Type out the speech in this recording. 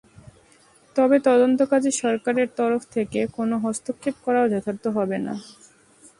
তবে তদন্তকাজে সরকারের তরফ থেকে কোনো হস্তক্ষেপ করাও যথার্থ হবে না।